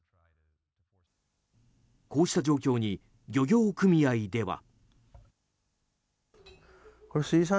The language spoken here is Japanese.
こうした状況に漁業組合では。